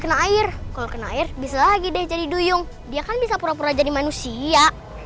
kena air kalau kena air bisa lagi deh jadi duyung dia kan bisa pura pura jadi manusia